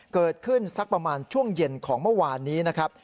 สักประมาณช่วงเย็นของเมื่อวานนี้นะครับ